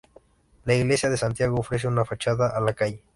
La iglesia de Santiago ofrece una fachada a la calle.